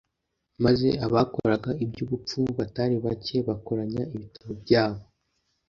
maze “ abakoraga iby’ubupfumu batari bake bakoranya ibitabo byabo,